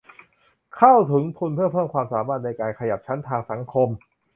เข้าถึงทุนเพื่อเพิ่มความสามารถในการขยับชั้นทางสังคม